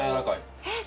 えっ？